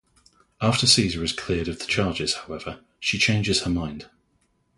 After Caesar is cleared of the charges, however, she changes her mind.